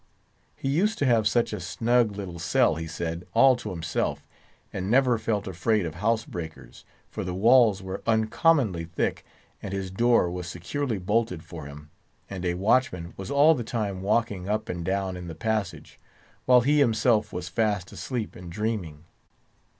He used to have such a snug little cell, he said, all to himself, and never felt afraid of house breakers, for the walls were uncommonly thick, and his door was securely bolted for him, and a watchman was all the time walking up and down in the passage, while he himself was fast asleep and dreaming.